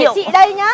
để chị đây nhá